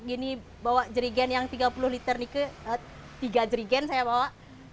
gini bawa jerigen yang tiga puluh liter nike tiga jerigen saya bawa